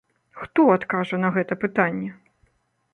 Хто адкажа на гэта пытанне?